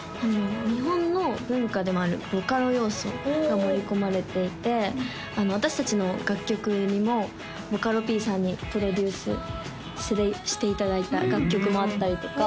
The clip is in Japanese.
日本の文化でもあるボカロ要素が盛り込まれていて私達の楽曲にもボカロＰさんにプロデュースしていただいた楽曲もあったりとかあ